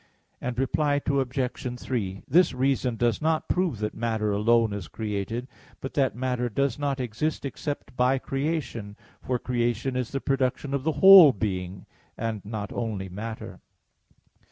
Reply Obj. 3: This reason does not prove that matter alone is created, but that matter does not exist except by creation; for creation is the production of the whole being, and not only matter.